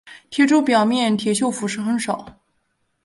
铁柱表面铁锈腐蚀很少。